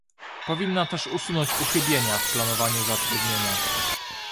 Powinna też usunąć uchybienia w planowaniu zatrudnienia